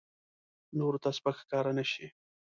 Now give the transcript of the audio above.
نورو ته سپک ښکاره نه شي.